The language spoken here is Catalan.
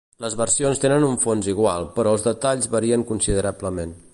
Les versions tenen un fons igual però els detalls varien considerablement.